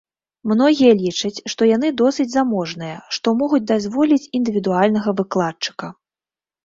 Многія лічаць, што яны досыць заможныя, што могуць дазволіць індывідуальнага выкладчыка.